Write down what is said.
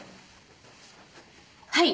はい。